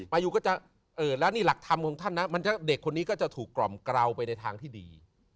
อายุก็จะแล้วนี่หลักธรรมของท่านนะเด็กคนนี้ก็จะถูกกล่อมกราวไปในทางที่ดี